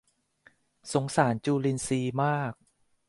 สงสารจุลินทรีย์มาก